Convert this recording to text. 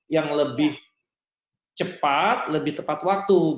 yang lebih cepat lebih tepat waktu